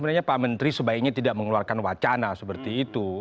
sebenarnya pak menteri sebaiknya tidak mengeluarkan wacana seperti itu